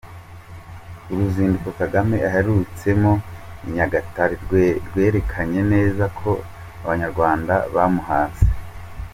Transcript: Uruzinduko Kagame aherutsemo i Nyagatare rwerekanye neza ko abanyarwanda bamuhaze!